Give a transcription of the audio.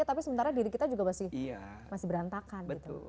tapi sementara diri kita juga masih berantakan gitu